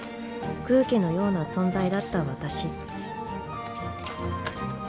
空気のような存在だった私。